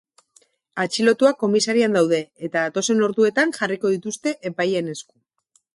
Atxilotuak komisarian daude eta datozen orduetan jarriko dituzte epaileen esku.